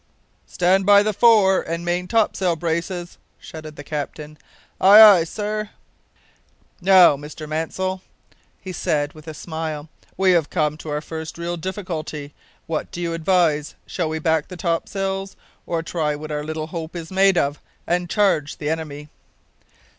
"Stand by the fore and main topsail braces!" shouted the captain. "Aye, aye, sir!" "Now, Mr Mansell," said he, with a smile, "we have come to our first real difficulty. What do you advise; shall we back the topsails, or try what our little Hope is made of, and charge the enemy?"